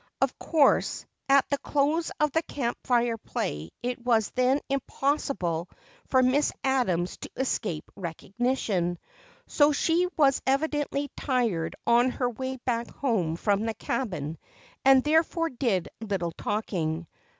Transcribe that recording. Of course at the close of the Camp Fire play it was then impossible for Miss Adams to escape recognition, so she was evidently tired on her way back home from the cabin and therefore did little talking.